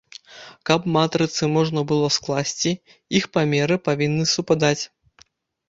Каб матрыцы можна было скласці, іх памеры павінны супадаць.